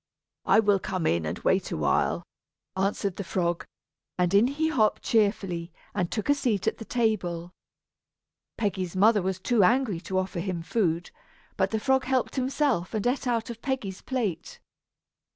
I will come in and wait awhile," answered the frog; and in he hopped cheerfully, and took a seat at the table. Peggy's mother was too angry to offer him food, but the frog helped himself and ate out of Peggy's plate.